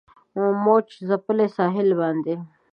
موج ځپلي ساحل باندې